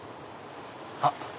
あっ。